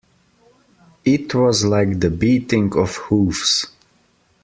It was like the beating of hoofs.